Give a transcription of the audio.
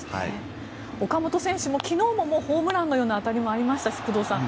岡本選手も昨日もホームランのような当たりもありましたし工藤さん